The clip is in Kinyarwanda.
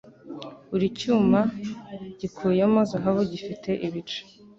Buri cyuma gikuyemo zahabu gifite ibice